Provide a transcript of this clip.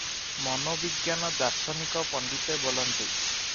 ମନୋବିଜ୍ଞାନ ଦାର୍ଶନିକ ପଣ୍ଡିତେ ବୋଲନ୍ତି